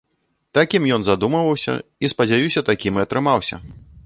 Такім ён задумваўся і, спадзяюся, такім і атрымаўся.